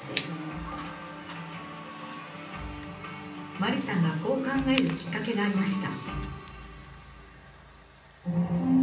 麻里さんがこう考えるきっかけがありました。